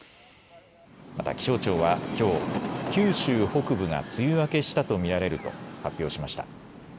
また気象庁はきょう、九州北部が梅雨明けしたと見られると発表しました。